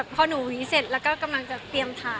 พอหนูหวีเสร็จแล้วก็กำลังจะเตรียมถ่าย